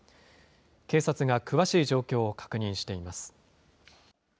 警察が詳しい状況を確認しています。